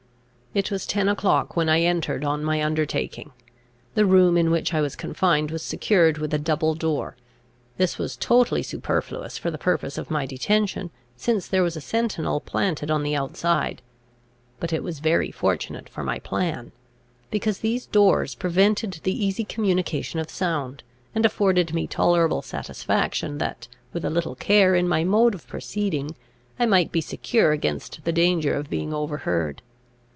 It was ten o'clock when I entered on my undertaking. The room in which I was confined was secured with a double door. This was totally superfluous for the purpose of my detention, since there was a sentinel planted on the outside. But it was very fortunate for my plan; because these doors prevented the easy communication of sound, and afforded me tolerable satisfaction that, with a little care in my mode of proceeding, I might be secure against the danger of being overheard.